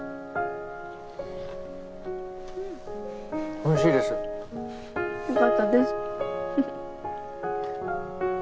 おいしいです。よかったですフフ。